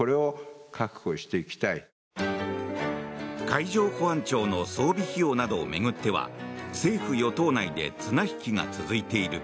海上保安庁の装備費用などを巡っては政府・与党内で綱引きが続いている。